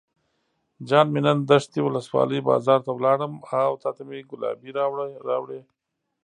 جان مې نن دشټي ولسوالۍ بازار ته لاړم او تاته مې ګلابي راوړې.